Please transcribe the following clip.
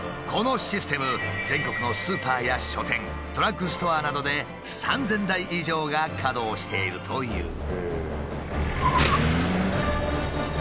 このシステム全国のスーパーや書店ドラッグストアなどで３，０００台以上が稼働しているという。